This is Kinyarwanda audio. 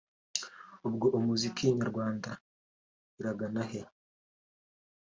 ubwo Muzika Nyarwanda iragana he